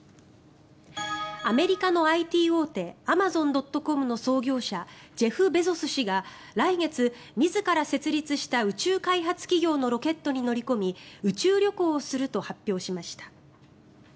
アメリカのＩＴ大手アマゾン・ドット・コムの創業者ジェフ・ベゾス氏が来月、自ら設立した宇宙開発企業のロケットに乗り込み宇宙旅行をすると発表しました。